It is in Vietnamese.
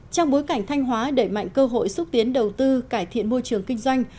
trong bối cảnh thanh hóa đẩy mạnh cơ hội xúc tiến đầu tư cải thiện môi trường kinh doanh